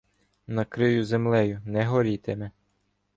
Накрию землею, не горітиме.